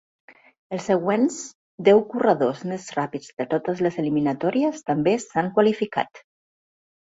Els següents deu corredors més ràpids de totes les eliminatòries també s"han qualificat.